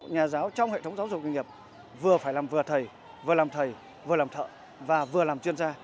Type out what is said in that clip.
nhà giáo trong hệ thống giáo dục nghề nghiệp vừa phải làm vừa thầy vừa làm thầy vừa làm thợ và vừa làm chuyên gia